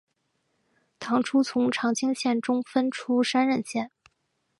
唐初从长清县中分出山荏县。